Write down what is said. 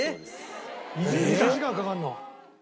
２０時間かかるの？